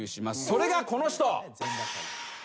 それがこの人。